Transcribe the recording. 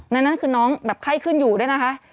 นั่นคือน้องแบบไข้ขึ้นอยู่ด้วยนะคะ